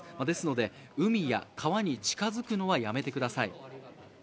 ですので、海や川に近づくのはやめてください。